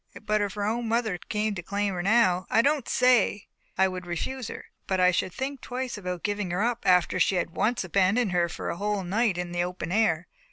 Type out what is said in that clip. But if her own mother came to claim her now, I don't say I would refuse her, but I should think twice about giving her up after she had once abandoned her for a whole night in the open air.